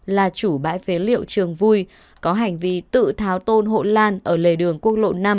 là chủ bãi phế liệu trường vui có hành vi tự tháo tôn hộ lan ở lề đường quốc lộ năm